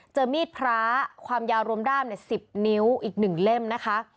มีดพระความยาวรวมด้าม๑๐นิ้วอีก๑เล่มนะคะ